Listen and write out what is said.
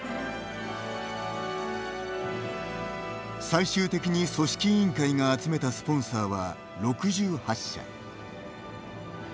最終的に組織委員会が集めたスポンサーは６８社。